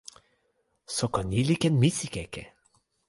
soko ni li ken misikeke!